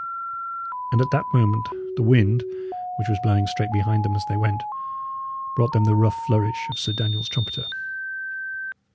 And at that moment the wind, which was blowing straight behind them as they went, brought them the rough flourish of Sir Daniel's trumpeter.